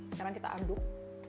sekarang kita aduk